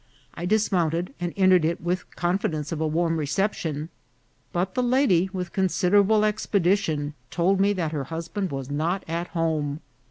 I dismounted, and entered it with con fidence of a warm reception ; but the lady, with consid erable expedition, told me that her husband was not at home.